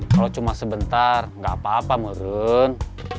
kalau cuma sebentar nggak apa apa murun